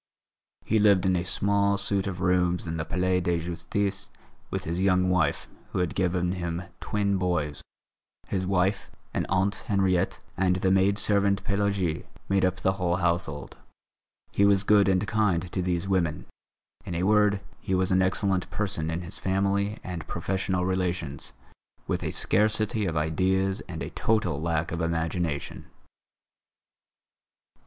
He lived in a small suite of rooms in the Palais de Justice with his young wife, who had given him twin boys. His wife, an aunt Henriette and the maid servant Pélagie made up the whole household. He was good and kind to these women. In a word, he was an excellent person in his family and professional relations, with a scarcity of ideas and a total lack of imagination.